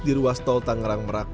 di ruas tol tangerang merak